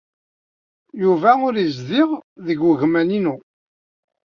Yuba ur yezdiɣ deg wegmam-inu.